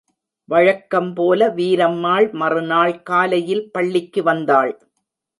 வழக்கம்போல, வீரம்மாள் மறுநாள் காலையில் பள்ளிக்கு வந்தாள்.